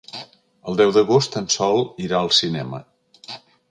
El deu d'agost en Sol irà al cinema.